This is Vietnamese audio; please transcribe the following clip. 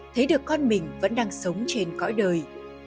thấy được con mình vẫn đang sống trên cõi đời